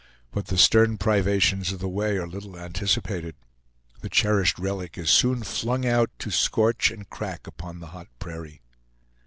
But the stern privations of the way are little anticipated. The cherished relic is soon flung out to scorch and crack upon the hot prairie.